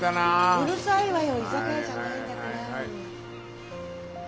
うるさいわよ居酒屋じゃないんだから。